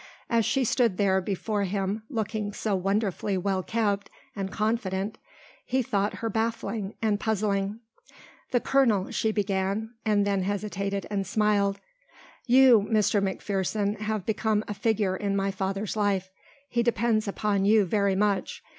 As she stood there before him looking so wonderfully well kept and confident he thought her baffling and puzzling. "The colonel," she began, and then hesitated and smiled. "You, Mr. McPherson, have become a figure in my father's life. He depends upon you very much.